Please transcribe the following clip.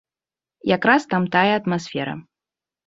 Як раз там тая атмасфера.